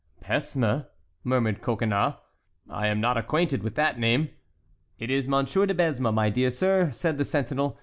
"Pesme," murmured Coconnas; "I am not acquainted with that name." "It is Monsieur de Besme, my dear sir," said the sentinel.